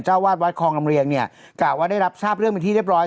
วาดวัดคลองลำเรียงเนี่ยกล่าวว่าได้รับทราบเรื่องเป็นที่เรียบร้อย